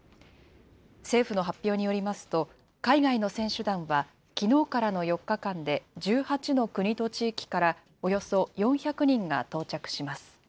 政府の発表によりますと、海外の選手団は、きのうからの４日間で、１８の国と地域からおよそ４００人が到着します。